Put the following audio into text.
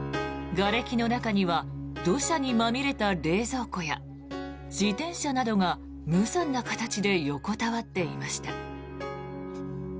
がれきの中には土砂にまみれた冷蔵庫や自転車などが無残な形で横たわっていました。